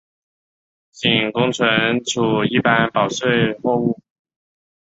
仅供存储一般保税货物。